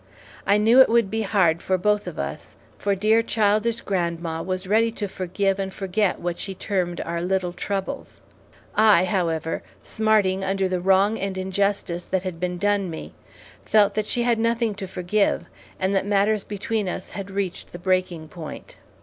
I knew it would be hard for both of us, for dear, childish grandma was ready to forgive and forget what she termed our little troubles. I, however, smarting under the wrong and injustice that had been done me, felt she had nothing to forgive, and that matters between us had reached the breaking point.